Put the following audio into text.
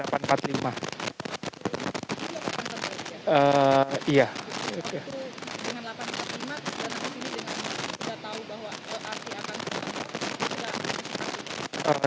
kalau itu dengan delapan empat puluh lima sudah tahu bahwa lokasi akan sudah